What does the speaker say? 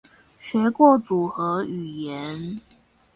學過組合語言